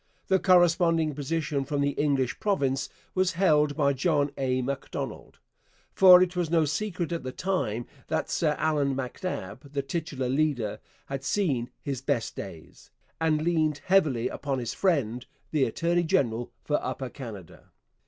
The corresponding position from the English province was held by John A. Macdonald, for it was no secret at the time that Sir Allan MacNab, the titular leader, had seen his best days, and leaned heavily upon his friend the attorney general for Upper Canada.